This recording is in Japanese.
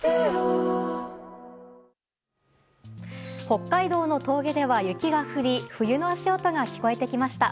北海道の峠では雪が降り冬の足音が聞こえてきました。